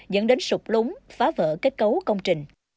dẫn đến sụp lúng phá vỡ kết cấu công trình